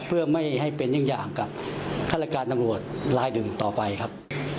เพื่อไม่ให้เป็นอย่างกับคัตรการตำรวจรายดึงต่อไปครับ